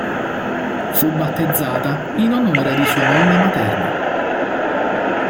Fu battezzata in onore di sua nonna materna.